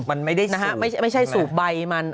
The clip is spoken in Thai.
ไม่ใช่สูบใบมัน